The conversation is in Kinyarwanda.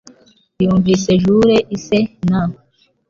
Yumvise Jule, ise, na